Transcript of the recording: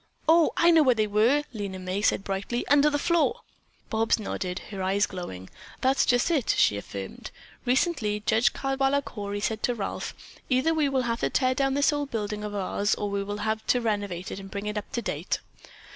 "Oh, I know where they were," Lena May said brightly, "under the floor." Bobs nodded, her eyes glowing. "That's just it!" she affirmed. "Recently Judge Caldwaller Cory said to Ralph, 'Either we will have to tear down this old building of ours or we will have to renovate it and bring it up to date.'